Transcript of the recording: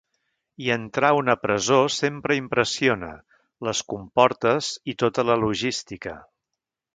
I entrar a una presó sempre impressiona: les comportes i tota la logística.